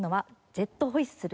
ジェット・ホイッスル？